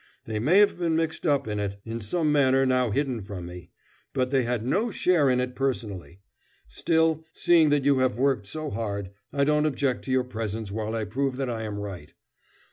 They may have been mixed up in it in some manner now hidden from me but they had no share in it personally. Still, seeing that you have worked so hard, I don't object to your presence while I prove that I am right.